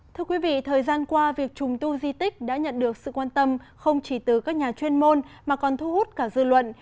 thưa quý vị thời gian qua việc trùng tu di tích đã nhận được sự quan tâm không chỉ từ các nhà chuyên môn mà còn thu hút cả dư luận